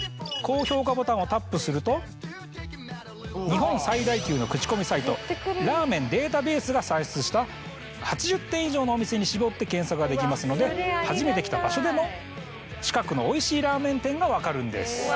高評価ボタンをタップすると日本最大級の口コミサイトラーメンデータベースが算出した８０店以上のお店に絞って検索ができますので初めて来た場所でも近くのおいしいラーメン店が分かるんです。